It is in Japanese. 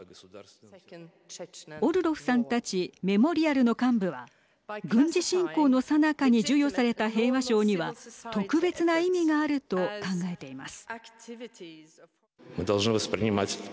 オルロフさんたちメモリアルの幹部は軍事侵攻のさなかに授与された平和賞には特別な意味があると考えています。